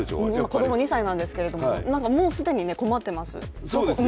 子供２歳なんですけど、もう既に困っています。